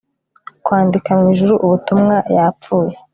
Kwandika mwijuru ubutumwa Yapfuye